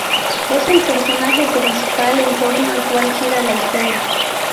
Es el personaje principal en torno al cual gira la historia.